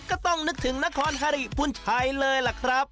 ก็ต้องนึกถึงนครฮาริพุนชัยเลยล่ะครับ